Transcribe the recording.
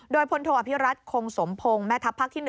โดยพลโทอภิรัตคงสมพงศ์แม่ทัพภาคที่๑